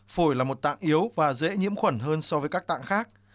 phổi là một tạng yếu và dễ nhiễm khuẩn hơn so với các tạng khác